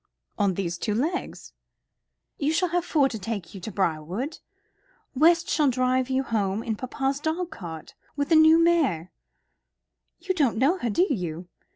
"On these two legs." "You shall have four to take you to Briarwood. West shall drive you home in papa's dog cart, with the new mare. You don't know her, do you?